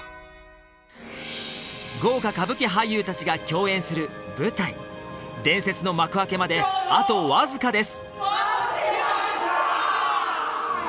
豪華歌舞伎俳優達が共演する舞台伝説の幕開けまであとわずかです